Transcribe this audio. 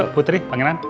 yuk putri pangeran